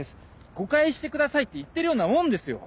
「誤解してください」って言ってるようなもんですよ！